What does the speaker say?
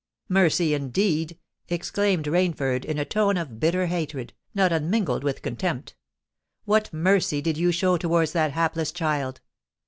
"Mercy, indeed!" exclaimed Rainford in a tone of bitter hatred, not unmingled with contempt: "what mercy did you show towards that hapless child?